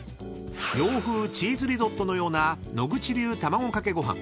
［洋風チーズリゾットのような野口流たまごかけごはん］